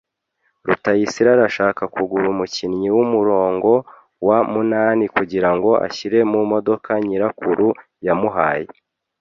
Rutayisire arashaka kugura umukinnyi wumurongo wa munani kugirango ashyire mumodoka nyirakuru yamuhaye.